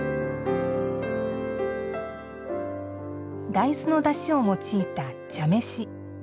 大豆のだしを用いた茶飯。